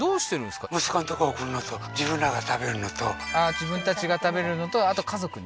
自分たちが食べるのとあと家族に？